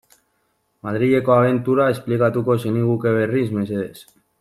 Madrileko abentura esplikatuko zeniguke berriz, mesedez?